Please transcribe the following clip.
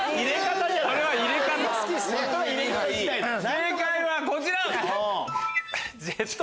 正解はこちら！